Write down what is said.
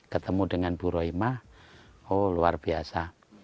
ketemu dengan bu rohimah oh luar biasa